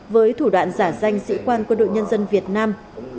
với thủ đoạn giả danh sĩ quan quân đội nhân dân việt nam